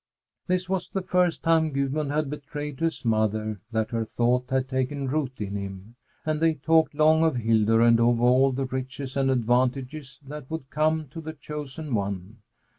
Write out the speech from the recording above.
This was the first time Gudmund had betrayed to his mother that her thought had taken root in him, and they talked long of Hildur and of all the riches and advantages that would come to the chosen one.